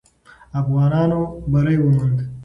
افغانانو بری وموند.